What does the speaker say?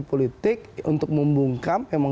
politik untuk membungkam